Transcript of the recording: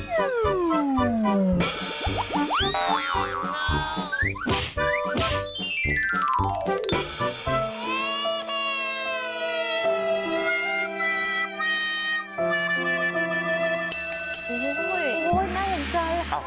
โอ้โหน่าเห็นใจค่ะ